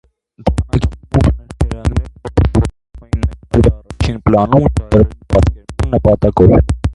Թանաքի մուգ նրբերանգները օգտագործվում էին նկարի առաջին պլանում ժայռերի պատկերման նպատակով։